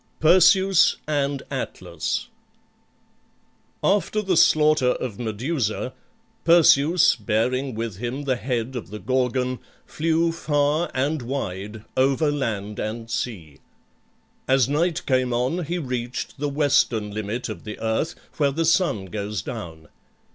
PERSEUS AND ATLAS After the slaughter of Medusa, Perseus, bearing with him the head of the Gorgon, flew far and wide, over land and sea. As night came on, he reached the western limit of the earth, where the sun goes down.